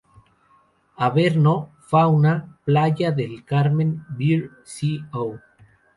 Averno, Fauna, Playa del Carmen Beer Co.